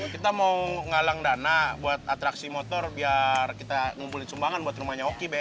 kita mau ngalang dana buat atraksi motor biar kita ngumpulin sumbangan buat rumahnya oki